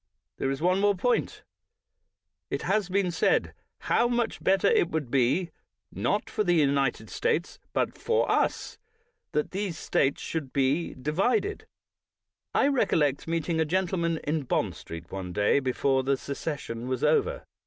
There is one more point. It has been said, How much better it would be" — not for the United States, but — "for us, that these States should be divided. '' I recollect meeting a gentle man in Bond Street one day before the session was over.